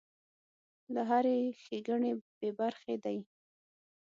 له هرې ښېګڼې بې برخې دی.